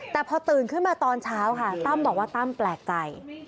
แต่พอตื่นขึ้นมาตอนเช้าค่ะตั้มบอกว่าตั้มแปลกใจ